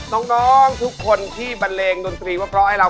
น้องทุกคนที่บันเลงดนตรีว่าเพราะให้เรา